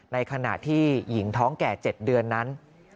ในขณะที่หญิงท้องแก่๗เดือนนั้น